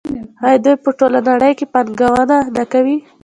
آیا دوی په ټوله نړۍ کې پانګونه نه کوي؟